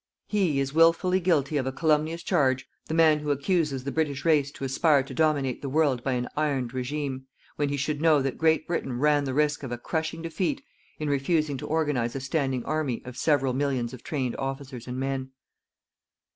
He is wilfully guilty of a calumnious charge the man who accuses the British race to aspire to dominate the world by an ironed regime, when he should know that Great Britain ran the risk of a crushing defeat, in refusing to organize a standing army of several millions of trained officers and men.